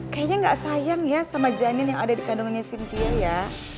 kayaknya nggak sayang ya sama janin yang ada di kandungannya cynthia ya